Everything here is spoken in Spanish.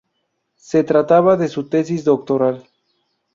Se trataba de su tesis doctoral.